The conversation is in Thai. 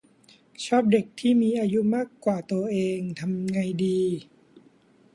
ชอบเด็กที่มีอายุมากกว่าตัวเอง ทำไงดี